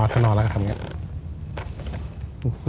อ๋อเธอนอนแล้วก็ทำแบบนี้